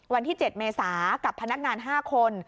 วันที่๗เมษากับพนักงาน๕คน